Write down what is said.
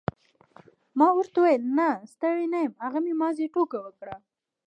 ما ورته وویل نه ستړی نه یم هغه مې محض ټوکه وکړه.